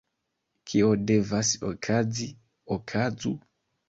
Kio devas okazi, okazu!